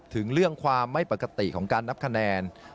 ถึงเรื่องความไม่ปกติของการนับคะแนน